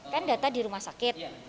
kan data di rumah sakit